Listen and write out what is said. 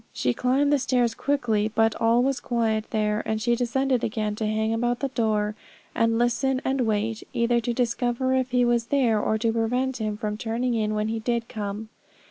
She climbed the stairs quickly, but all was quiet there; and she descended again to hang about the door, and listen, and wait; either to discover if he was there, or to prevent him turning in when he did come.